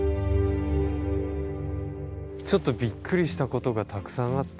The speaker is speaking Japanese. ちょっとびっくりしたことがたくさんあって。